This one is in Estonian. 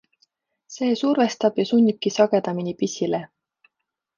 See survestab ja sunnibki sagedamini pissile.